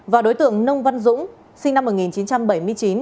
và đối tượng nông văn dũng sinh năm một nghìn chín trăm bảy mươi chín